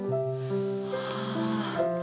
はあ。